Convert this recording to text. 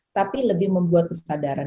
tapi lebih membuat kesadaran